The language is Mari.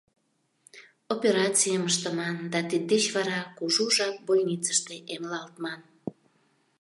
Операцийым ыштыман да тиддеч вара кужу жап больницыште эмлалтман.